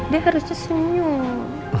dia harusnya senyum